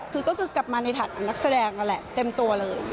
คือก็คือกลับมาในฐานะนักแสดงนั่นแหละเต็มตัวเลย